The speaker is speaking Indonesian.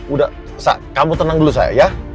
udah kamu tenang dulu saya ya